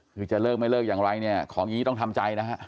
คือจะเลิกไม่เลิกอย่างไรเนี่ยของอี๋ต้องทำใจนะครับ